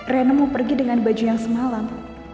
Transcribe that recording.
reno mau pergi dengan baju yang semalam